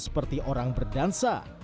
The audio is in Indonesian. seperti orang berdansa